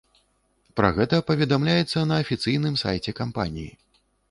Пра гэта паведамляецца на афіцыйным сайце кампаніі.